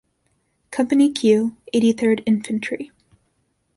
Company Q, Eighty-third Infantry.